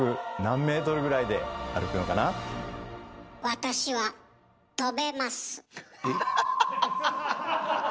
私は飛べます。